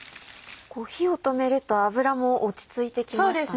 火を止めると油も落ち着いてきましたね。